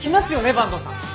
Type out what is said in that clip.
坂東さん。